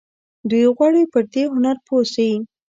دوی غواړي پر دې هنر پوه شي.